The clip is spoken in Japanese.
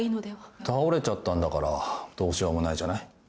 倒れちゃったんだからどうしようもないじゃない。